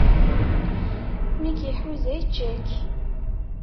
Mi k-iḥuza, ičča-k.